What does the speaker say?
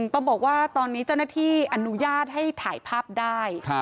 ต้องบอกว่าตอนนี้เจ้าหน้าที่อนุญาตให้ถ่ายภาพได้